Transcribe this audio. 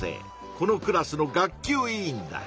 このクラスの学級委員だ。